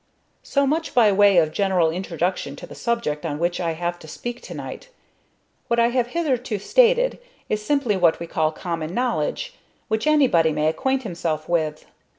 So much by way of general introduction to the subject on which I have to speak to night. What I have hitherto stated is simply what we may call common knowledge, which everybody may acquaint himself with.